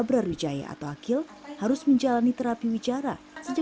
yang dapatayelo meng mystery free sense